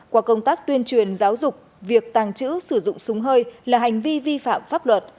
qua công tác tuyên truyền giáo dục việc tàng trữ sử dụng súng hơi là hành vi vi phạm pháp luật